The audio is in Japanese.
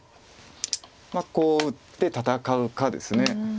こう打って戦うかです。